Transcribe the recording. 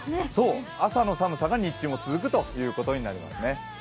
朝の寒さが日中も続くということになりますね。